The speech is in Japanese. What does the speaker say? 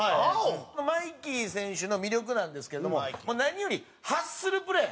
マイキー選手の魅力なんですけれども何よりハッスルプレー！